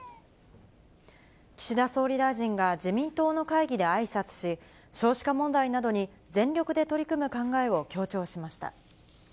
岸田総理大臣が、自民党の会議であいさつし、少子化問題などに、全力で取り組む考えを強調しました。